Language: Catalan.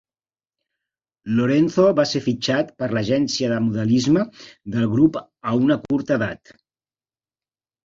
Lorenzo va ser fitxat per l'agència de modelisme del Grup a una curta edat.